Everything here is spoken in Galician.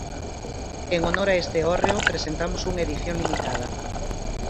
En honor a este hórreo presentamos unha edición limitada.